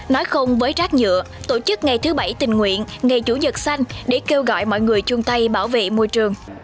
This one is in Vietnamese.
nói không với rác nhựa tổ chức ngày thứ bảy tình nguyện ngày chủ nhật xanh để kêu gọi mọi người chung tay bảo vệ môi trường